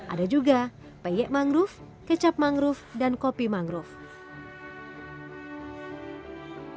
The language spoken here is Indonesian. ada juga peyek mangrove kecap mangrove dan kopi mangrove